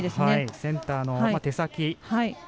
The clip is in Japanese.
センターの手先